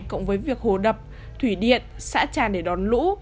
cộng với việc hồ đập thủy điện xã tràn để đón lũ